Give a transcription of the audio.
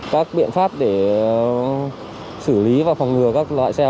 các biện pháp để xử lý và phòng ngừa các loại xe